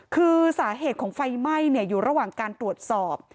คือสาเหตุของไฟไหม้อยู่ระหว่างการตรวจสอบ